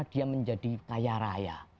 dia menjadi kaya raya